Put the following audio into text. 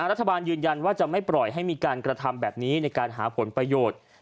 รัฐบาลยืนยันว่าจะไม่ปล่อยให้มีการกระทำแบบนี้ในการหาผลประโยชน์